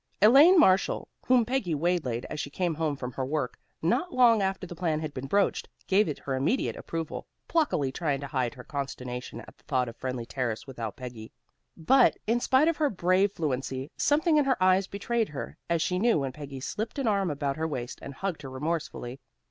Elaine Marshall, whom Peggy waylaid as she came home from her work, not long after the plan had been broached, gave it her immediate approval, pluckily trying to hide her consternation at the thought of Friendly Terrace without Peggy. But, in spite of her brave fluency, something in her eyes betrayed her, as she knew when Peggy slipped an arm about her waist and hugged her remorsefully.